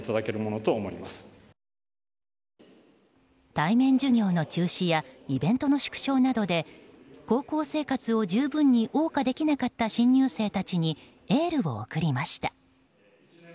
対面授業の中止やイベントの縮小などで高校生活を十分に謳歌できなかった新入生たちにエールを送りました。